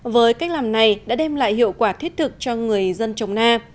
với cách làm này đã đem lại hiệu quả thiết thực cho người dân trồng na